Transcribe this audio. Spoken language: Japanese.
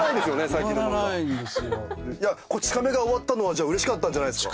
『こち亀』が終わったのはうれしかったんじゃないですか？